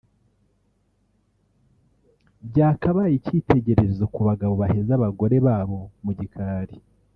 byakabaye icyitegererezo ku bagabo baheza abagore babo mu gikari